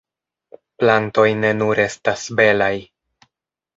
Plantoj ne nur estas belaj.